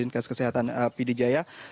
kesehatan pdi jaya